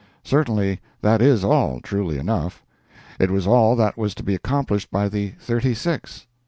Certainly that is all, truly enough. It was all that was to be accomplished by the thirty six.